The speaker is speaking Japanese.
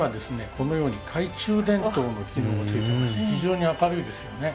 このように懐中電灯の機能も付いてまして非常に明るいですよね。